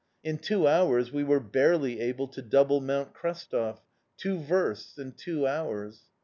In two hours we were barely able to double Mount Krestov two versts in two hours!